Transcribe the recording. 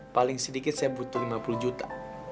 paling sedikit saya butuh lima puluh juta